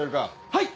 はい！